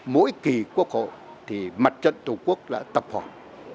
mỗi kỳ quốc hội thì mặt trận tổ quốc là tập hợp